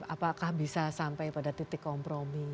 apakah bisa sampai pada titik kompromi